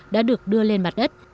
đã được đưa lên mặt đất